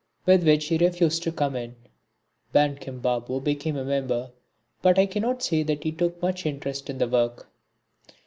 With which he refused to come in. Bankim Babu became a member, but I cannot say that he took much interest in the work.